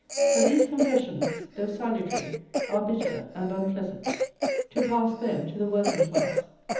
But these confessions, though salutary, are bitter and unpleasant. To pass, then, to the working class.